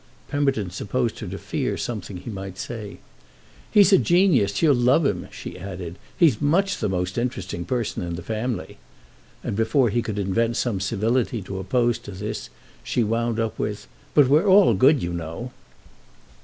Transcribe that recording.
Pemberton supposed her to fear something he might say. "He's a genius—you'll love him," she added. "He's much the most interesting person in the family." And before he could invent some civility to oppose to this she wound up with: "But we're all good, you know!"